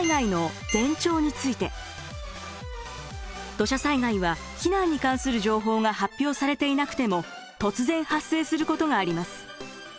土砂災害は避難に関する情報が発表されていなくても突然発生することがあります。